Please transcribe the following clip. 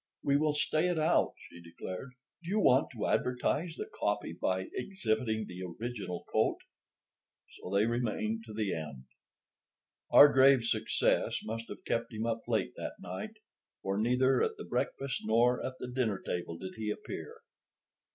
"We will stay it out," she declared. "Do you want to advertise the copy by exhibiting the original coat?" So they remained to the end. Hargraves's success must have kept him up late that night, for neither at the breakfast nor at the dinner table did he appear.